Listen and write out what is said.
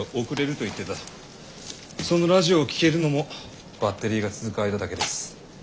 そのラジオを聞けるのもバッテリーが続く間だけです。